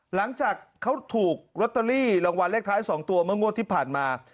หลังจากเขาถูกลอตเตอรี่รางวัลเลขท้าย๒ตัวเมื่องวดที่ผ่านมา